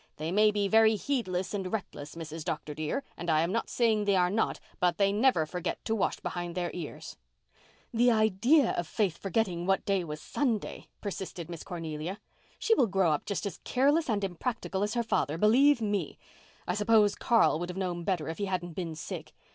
They may be very heedless and reckless, Mrs. Dr. dear, and I am not saying they are not, but they never forget to wash behind their ears." "The idea of Faith forgetting what day was Sunday," persisted Miss Cornelia. "She will grow up just as careless and impractical as her father, believe me. I suppose Carl would have known better if he hadn't been sick.